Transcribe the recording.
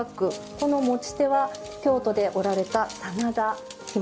この持ち手は京都で織られた真田紐です。